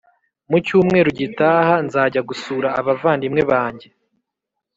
Mucyumweru gitaha nzajya gusura abavandimwe banjye